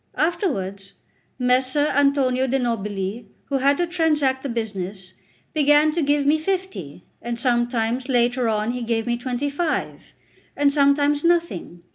Afterwards, Messer Antonio de' Nobili, who had to transact the business, began to give me fifty, and sometimes later on he gave me twenty five, and sometimes nothing.